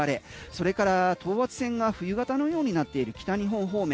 それから等圧線が冬型のようになっている北日本方面。